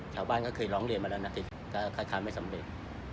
ชาวบ้านก็เคยร้องเรียนมาแล้วนะก็คัดค้านไม่สำเร็จ